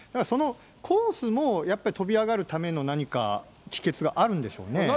そのコースもやっぱり跳び上がるための何か秘けつがあるんでしょうね。